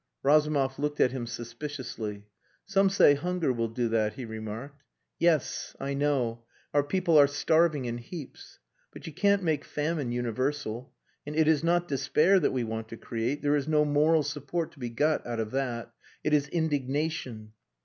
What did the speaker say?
Razumov looked at him suspiciously. "Some say hunger will do that," he remarked. "Yes. I know. Our people are starving in heaps. But you can't make famine universal. And it is not despair that we want to create. There is no moral support to be got out of that. It is indignation...."